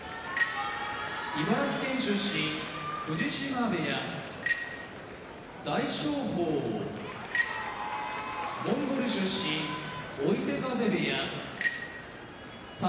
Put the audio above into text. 茨城県出身藤島部屋大翔鵬モンゴル出身追手風部屋宝